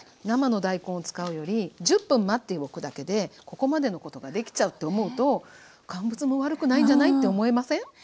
生の大根を使うより１０分待っておくだけでここまでのことができちゃうって思うと乾物も悪くないんじゃない？って思えません？